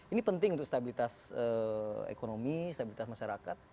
ini penting untuk stabilitas ekonomi stabilitas masyarakat